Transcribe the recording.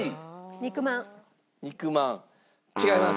肉まん違います。